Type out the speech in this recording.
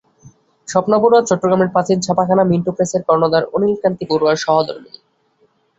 স্বপ্না বড়ুয়া চট্টগ্রামের প্রাচীন ছাপাখানা মিন্টো প্রেসের কর্ণধার অনিল কান্তি বড়ুয়ার সহধর্মিণী।